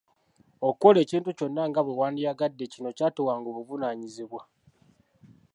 Okukola ekintu kyonna nga bwewandyagadde, kino kyatuwanga obuvunaanyizibwa.